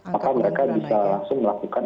maka mereka bisa langsung melakukan